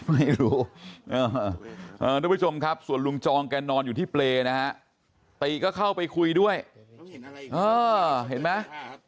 ไม่รู้ทุกผู้ชมครับส่วนลุงจองแกนอนอยู่ที่เปรย์นะฮะตีก็เข้าไปคุยด้วยเห็นไหม